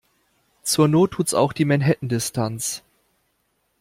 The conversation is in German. Zur Not tut's auch die Manhattan-Distanz.